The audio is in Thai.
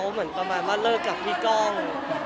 เหมือนภาษาเขาหรือเกี่ยวกับพี่ก้อง